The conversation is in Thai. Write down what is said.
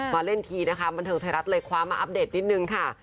มาเล่นทีนะคะบันเทิงไทยรัฐเลยคว้ามาอัปเดตนิดนึงค่ะ